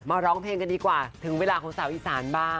ร้องเพลงกันดีกว่าถึงเวลาของสาวอีสานบ้าง